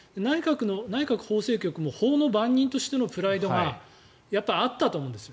内閣法制局も法の番人としてのプライドがやっぱりあったと思うんです。